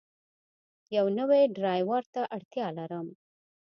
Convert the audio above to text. یو نوی ډرایور ته اړتیا لرم.